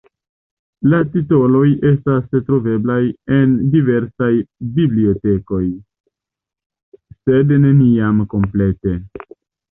La titoloj estas troveblaj en diversaj bibliotekoj, sed neniam komplete.